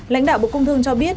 lãnh đạo bộ cung thương cho biết